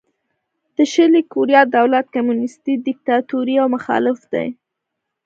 د شلي کوریا دولت کمونیستي دیکتاتوري او مخالف دی.